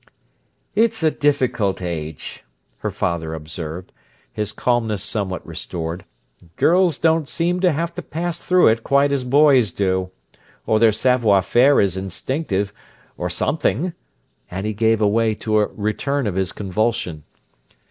"It's a difficult age," her father observed, his calmness somewhat restored. "Girls don't seem to have to pass through it quite as boys do, or their savoir faire is instinctive—or something!" And he gave away to a return of his convulsion.